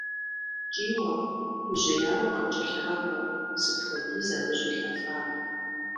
КӀийуэ, гужьеяуэ къыткӀэлъыӀэбэу сыт хуэдиз абы щӀилъэфар!